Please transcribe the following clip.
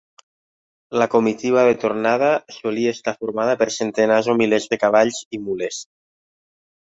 La comitiva de tornada solia estar formada per centenars o milers de cavalls i mules.